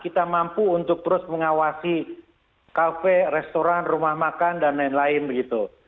kita mampu untuk terus mengawasi kafe restoran rumah makan dan lain lain begitu